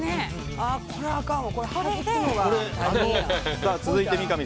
これは、あかんわ。